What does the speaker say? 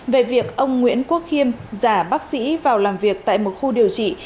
về việc ông nguyễn quốc khiêm giả bác sĩ vào làm việc tại một khu điều trị